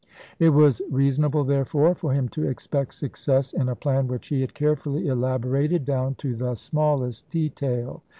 It was reason able, therefore, for him to expect success in a plan which he had carefully elaborated down to the smallest detail.